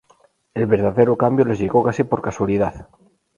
El verdadero cambio les llegó casi por casualidad.